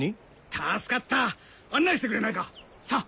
助かった案内してくれないかさあ